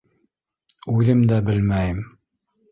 —Үҙем дә белмәйем...